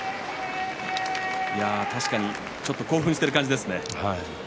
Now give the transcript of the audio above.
確かに、金峰山、ちょっと興奮している感じですね。